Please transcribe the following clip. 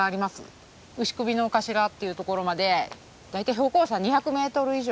牛首ノ頭っていうところまで大体標高差２００ｍ以上。